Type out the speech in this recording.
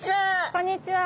こんにちは。